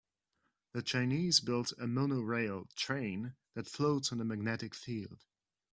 The Chinese built a monorail train that floats on a magnetic field.